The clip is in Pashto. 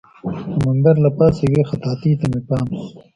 د منبر له پاسه یوې خطاطۍ ته مې پام شو.